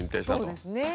そうですね。